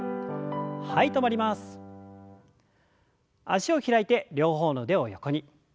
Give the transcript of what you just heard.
脚を開いて両方の腕を横に。